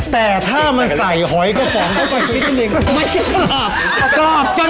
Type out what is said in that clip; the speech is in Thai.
แต่ถ้ามันใส่หอยกระป๋องเข้าไปชนิดหนึ่ง